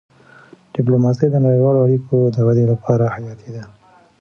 ډيپلوماسي د نړیوالو اړیکو د ودي لپاره حیاتي ده.